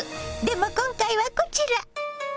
でも今回はこちら！